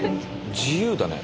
自由だね。